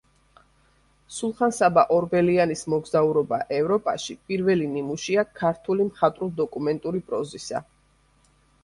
სულხან-საბა ორბელიანის „მოგზაურობა ევროპაში“ პირველი ნიმუშია ქართული მხატვრულ–დოკუმენტური პროზისა.